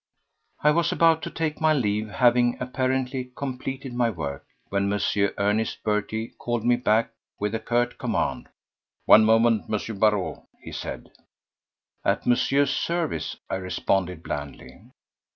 I was about to take my leave, having apparently completed my work, when M. Ernest Berty called me back with a curt command. "One moment, M. Barrot," he said. "At Monsieur's service," I responded blandly.